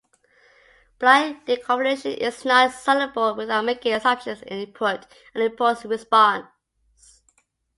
Blind deconvolution is not solvable without making assumptions on input and impulse response.